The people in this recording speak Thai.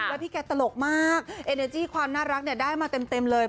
แล้วพี่แกตลกมากเอเนอร์จี้ความน่ารักเนี่ยได้มาเต็มเลย